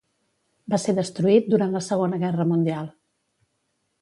Va ser destruït durant la Segona Guerra Mundial.